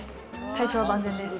体調は万全です。